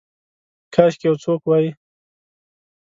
کاشکي یو څوک وی